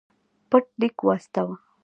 پټ لیک واستاوه.